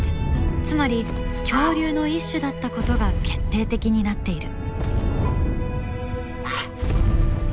つまり恐竜の一種だったことが決定的になっている。